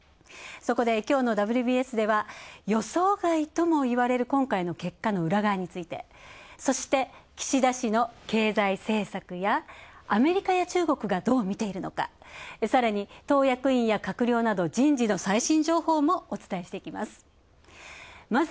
そこできょうの「ＷＢＳ」では予想外ともいわれる今回の結果の裏側について、そして岸田氏の経済政策やアメリカや中国がどう見ているのか、さらに、党役員や閣僚など人事の最新情報もお伝えしていきます。